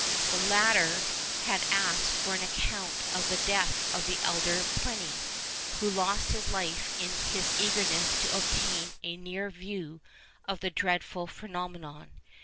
The latter had asked for an account of the death of the elder Pliny, who lost his life in his eagerness to obtain a near view of the dreadful phenomenon.